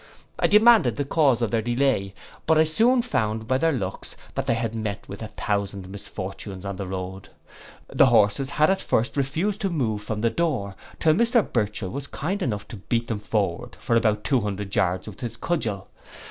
I demanded the cause of their delay; but I soon found by their looks they had met with a thousand misfortunes on the road. The horses had at first refused to move from the door, till Mr Burchell was kind enough to beat them forward for about two hundred yards with his cudgel.